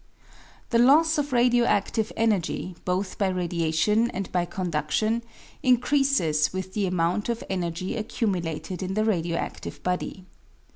The loss of radio adive energy, both by radiation and by condudlion, increases with the amount of energy accumu lated in the radio aftive body.